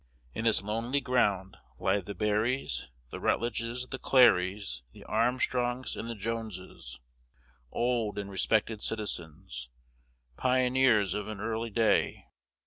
In this lonely ground lie the Berrys, the Rutledges, the Clarys, the Armstrongs, and the Joneses, old and respected citizens, pioneers of an early day.